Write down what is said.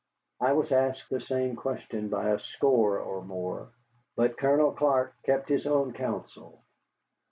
I was asked the same question by a score or more, but Colonel Clark kept his own counsel.